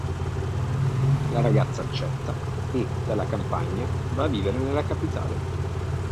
La ragazza accetta e, dalla campagna, va a vivere nella capitale.